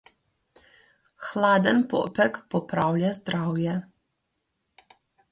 Hladen popek popravlja zdravje.